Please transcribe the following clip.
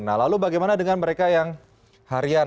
nah lalu bagaimana dengan mereka yang harian